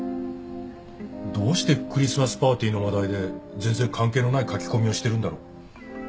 どうしてクリスマスパーティーの話題で全然関係のない書き込みをしてるんだろ？